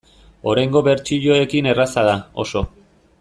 Oraingo bertsioekin erraza da, oso.